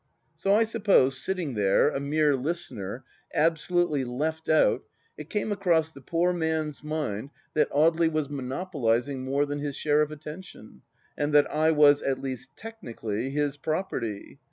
So I suppose, sitting there, a mere listener, absolutely left out, it came across the poor man's mind that Audely was monopolizing more than his share of attention, and that I was, at least technically, his property.